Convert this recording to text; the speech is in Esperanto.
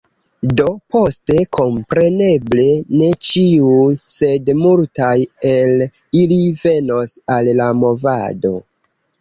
Do, poste, kompreneble, ne ĉiuj, sed multaj el ili venos al la movado.